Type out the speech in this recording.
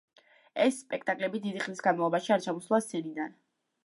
ეს სპექტაკლები დიდი ხნის განმავლობაში არ ჩამოსულა სცენიდან.